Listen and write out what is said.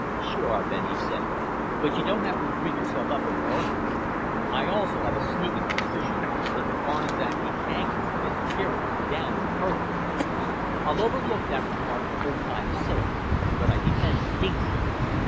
"Sure," Bendy said, "but you don't have to rig yourself up in ermine. I also have a sneaking suspicion that you aren't exactly anxious to get Superior down in a hurry." "I'll overlook that remark for old time's sake. But I defend the kingship.